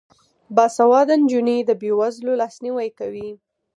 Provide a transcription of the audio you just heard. باسواده نجونې د بې وزلو لاسنیوی کوي.